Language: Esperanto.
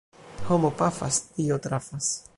Homo pafas, Dio trafas.